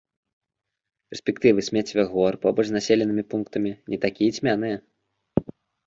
Перспектывы смеццевых гор побач з населенымі пунктамі не такія і цьмяныя.